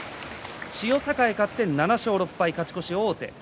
千代栄、勝って７勝６敗勝ち越し王手。